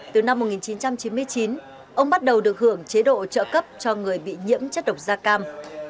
từ năm một nghìn chín trăm chín mươi chín ông bắt đầu được hưởng chế độ trợ cấp cho người bị nhiễm chất độc da cam